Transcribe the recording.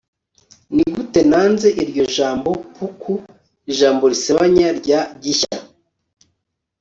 nigute nanze iryo jambo, puku - ijambo risebanya rya 'gishya